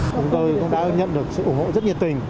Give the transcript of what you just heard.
chúng tôi cũng đã nhận được sự ủng hộ rất nhiệt tình